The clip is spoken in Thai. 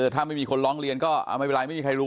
ถ้าไม่มีคนร้องเรียนก็ไม่เป็นไรไม่มีใครรู้